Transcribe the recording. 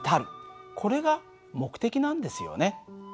これが目的なんですよね。